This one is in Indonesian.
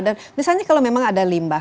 dan misalnya kalau memang ada limbah